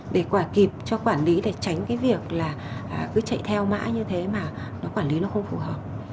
để quả kịp cho quản lý để tránh việc cứ chạy theo mã như thế mà quản lý nó không phù hợp